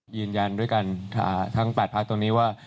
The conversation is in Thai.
ยืนยันด้วยกันทั้ง๘พักตรงนี้ว่า